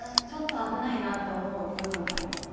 危ないなと思う部分ありますね。